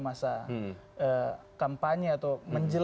masa kampanye atau menjelang